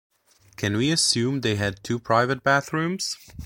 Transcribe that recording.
Can we assume they had two private bathrooms?